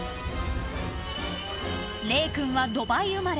［れい君はドバイ生まれ］